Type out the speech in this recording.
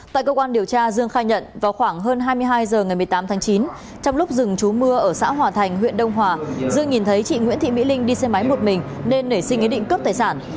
tại cơ quan điều tra dương khai nhận vào khoảng hơn hai mươi hai h ngày một mươi tám tháng chín trong lúc dừng chú mưa ở xã hòa thành huyện đông hòa dương nhìn thấy chị nguyễn thị mỹ linh đi xe máy một mình nên nảy sinh ý định cướp tài sản